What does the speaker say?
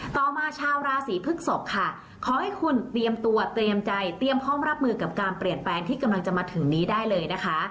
ต่อมาชาวราศีพฤกษกค่ะขอให้คุณเตรียมตัวเตรียมใจเตรียมพร้อมรับมือกับการเปลี่ยนแปลงที่กำลังจะมาถึงนี้ได้เลยนะคะ